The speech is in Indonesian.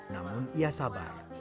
namun ia sabar